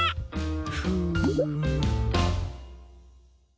フーム。